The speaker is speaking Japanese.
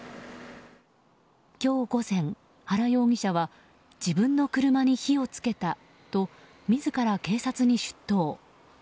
今日午前、原容疑者は自分の車に火を付けたと自ら警察に出頭。